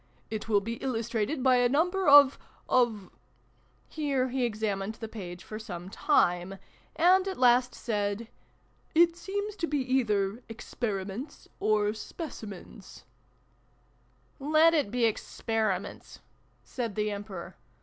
It will be illustrated by a number of of " here he examined the page for some time, and at last said " It seems to be either ' Ex periments ' or ' Specimens '"" Let it be Experiments" said the Emperor.